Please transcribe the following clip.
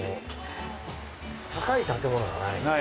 高い建物がない。